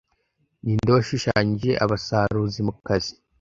Ninde washushanyije Abasaruzi mu kazi